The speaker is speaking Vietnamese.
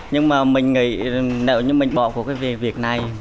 nhưng mà mình nghĩ nếu như mình bỏ của cái việc này